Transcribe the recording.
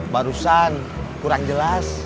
barusan kurang jelas